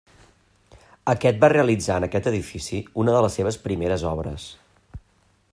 Aquest va realitzar en aquest edifici una de les seves primeres obres.